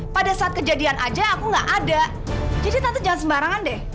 pada saat kejadian aja aku nggak ada jadi nanti jangan sembarangan deh